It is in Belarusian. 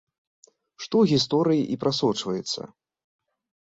Што ў гісторыі і прасочваецца.